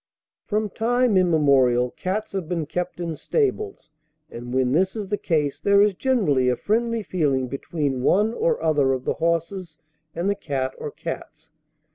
From time immemorial cats have been kept in stables, and when this is the case there is generally a friendly feeling between one or other of the horses and the cat or cats.